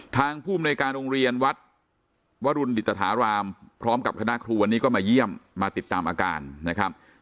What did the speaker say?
ภูมิในการโรงเรียนวัดวรุณดิตฐารามพร้อมกับคณะครูวันนี้ก็มาเยี่ยมมาติดตามอาการนะครับ